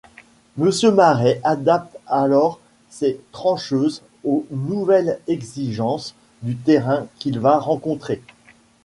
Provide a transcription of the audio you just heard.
Monsieur Marais adapte alors ses trancheuses aux nouvelles exigences du terrain qu’il va rencontrer.